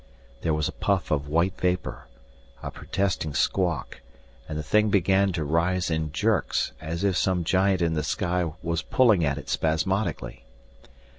There was a puff of white vapor, a protesting squawk, and the thing began to rise in jerks as if some giant in the sky was pulling at it spasmodically.